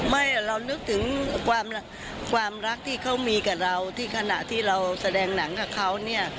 ไม่เรานึกถึงความรักที่เขามีกับเราที่ขณะที่เราแสดงหนังกับเขาเนี่ย